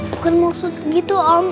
bukan maksud gitu om